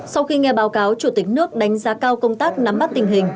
sau khi nghe báo cáo chủ tịch nước đánh giá cao công tác nắm bắt tình hình